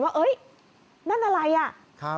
ป้าของน้องธันวาผู้ชมข่าวอ่อน